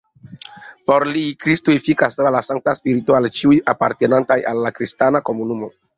Por li Kristo efikas tra la Sankta Spirito al ĉiuj apartenantaj al kristana komunumo.